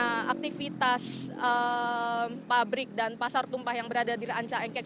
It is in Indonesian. atau karena aktivitas pabrik dan pasar tumpah yang berada di rancangengkek